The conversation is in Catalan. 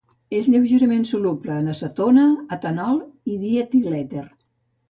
És lleugerament soluble en acetona, etanol i dietilèter.